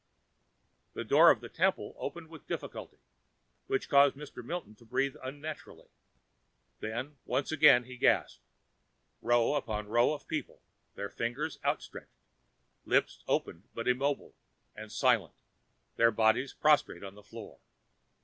The door of the temple opened with difficulty, which caused Mr. Milton to breathe unnaturally. Then, once inside, he gasped. Row upon row of people, their fingers outstretched, lips open but immobile and silent, their bodies prostrate on the floor.